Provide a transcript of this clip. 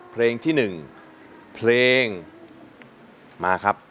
เพลงที่๑เพลงมาครับ